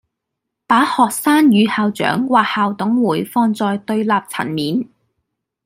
把學生與校長或校董會放在對立層面